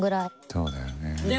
そうだよね。